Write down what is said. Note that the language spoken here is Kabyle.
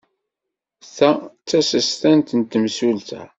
Ta d tasestant n temsulta.